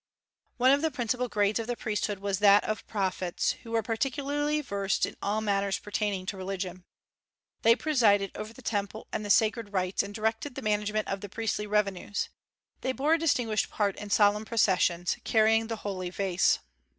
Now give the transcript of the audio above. One of the principal grades of the priesthood was that of prophets, who were particularly versed in all matters pertaining to religion. They presided over the temple and the sacred rites, and directed the management of the priestly revenues; they bore a distinguished part in solemn processions, carrying the holy vase.